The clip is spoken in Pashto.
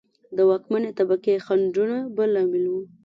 د واکمنې طبقې خنډونه بل لامل و.